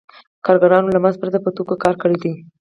کارګرانو له مزد پرته په توکو کار کړی دی